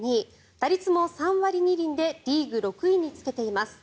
打率も３割２厘でリーグ６位につけています。